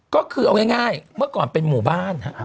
ก็คือเอาง่ายเมื่อก่อนเป็นหมู่บ้าน